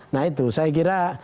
nah itu saya kira